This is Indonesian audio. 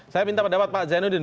saya minta pendapat pak zainuddin